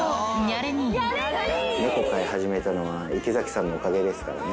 猫飼い始めたのは池崎さんのおかげですからね。